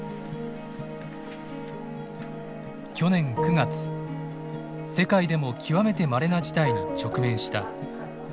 去年９月世界でも極めてまれな事態に直面した。